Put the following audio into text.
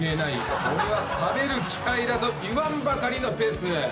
俺は食べる機械だといわんばかりのペース。